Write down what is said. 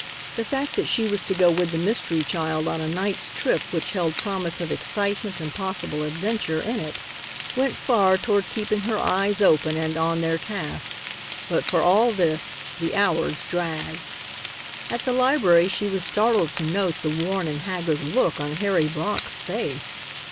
The fact that she was to go with the mystery child on a night's trip which held promise of excitement and possible adventure in it, went far toward keeping her eyes open and on their task, but for all this, the hours dragged. At the library she was startled to note the worn and haggard look on Harry Brock's face.